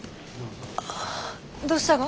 どうしたが？